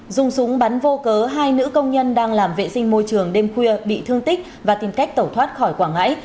dùng súng bắn vô cớ hai nữ công nhân đang làm vệ sinh môi trường đêm khuya bị thương tích và tìm cách tẩu thoát khỏi quảng ngãi